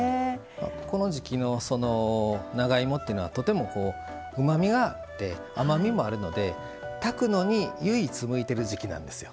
この時季の長芋というのはとても、うまみがあって甘みもあるので炊くのに唯一向いている時季なんですよ。